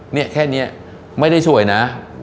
เนี่ยแค่นี้ไม่ได้สวยนะ